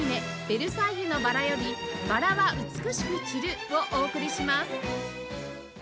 『ベルサイユのばら』より『薔薇は美しく散る』をお送りします